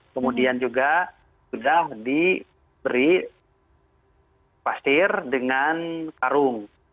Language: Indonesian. kemudian juga sudah diberi pasir dengan karung